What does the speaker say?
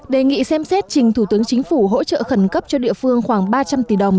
đề nghị xem xét trình thủ tướng chính phủ hỗ trợ khẩn cấp cho địa phương khoảng ba trăm linh tỷ đồng